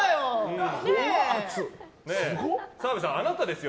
澤部さん、あなたですよ